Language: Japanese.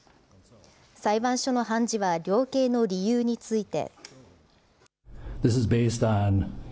裁判所の判事は量刑の理由について。